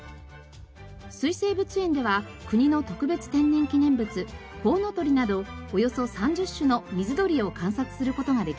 水生物園では国の特別天然記念物コウノトリなどおよそ３０種の水鳥を観察する事ができます。